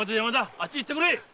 あっちへ行ってくれ〕